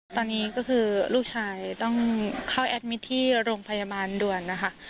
ตอนนี้ก็คือลูกชายต้องเข้าแอดมิตรที่โรงพยาบาลด่วนนะคะ